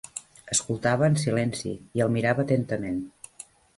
Escoltava en silenci i el mirava atentament.